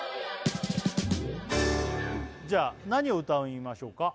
じゃ何を歌いましょうか？